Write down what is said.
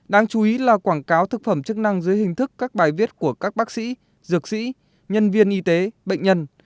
đáng chú ý là quảng cáo thực phẩm chức năng dưới hình thức các bài viết của các bác sĩ dược sĩ nhân viên y tế bệnh nhân